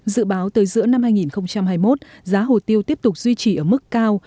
dự báo tới giữa năm hai nghìn hai mươi một giá hồ tiêu tiếp tục duy trì ở mức cao